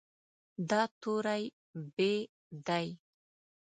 دا توری "ب" دی.